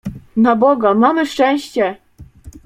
"Na Boga, mamy szczęście!"